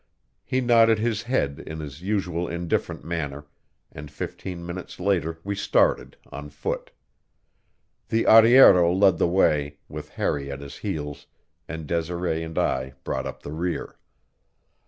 He nodded his head in his usual indifferent manner, and fifteen minutes later we started, on foot. The arriero led the way, with Harry at his heels, and Desiree and I brought up the rear.